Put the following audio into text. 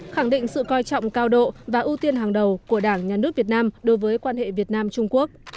khẳng định sự coi trọng cao độ và ưu tiên hàng đầu của đảng nhà nước việt nam đối với quan hệ việt nam trung quốc